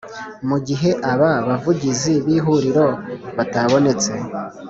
Mu gihe aba bavugizi b Ihuriro batabonetse